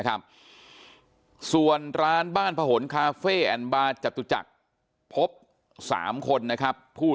ครับส่วนร้านบ้านผนคาเฟ่แอนบาร์จตุจักรพบ๓คนนะครับผู้